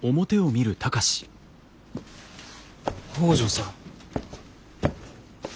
北條さん。